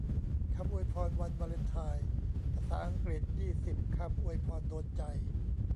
คำอวยพรวันวาเลนไทน์ ภาษาอังกฤษ ยี่สิบ คำอวยพรโดนใจ